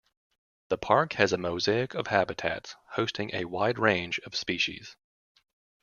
The Park has a mosaic of habitats, hosting a wide range of species.